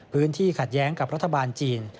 พื้นที่ขัดแย้งกับรัฐบาลจีน